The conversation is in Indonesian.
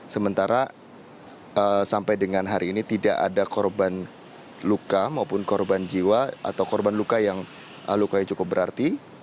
sementara sampai dengan hari ini tidak ada korban luka maupun korban jiwa atau korban luka yang lukanya cukup berarti